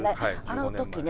あの時ね